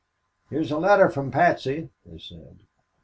"Here's a letter from Patsy," they said.